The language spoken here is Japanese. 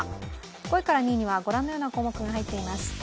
５位から２位にはご覧のような項目が入っています。